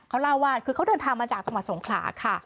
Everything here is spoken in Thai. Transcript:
เขาเล่าว่าคือเขาเดินทางมาจากจังหวัดสงขลาค่ะ